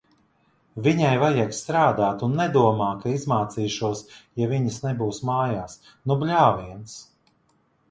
Viņai vajag strādāt un nedomā, ka izmācīšos, ja viņas nebūs mājās. Nu bļāviens!